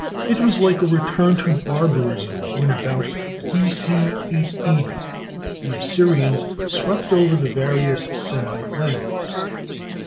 It was like a return to barbarism when about B.C. 880 the Assyrians swept over the various Semite lands.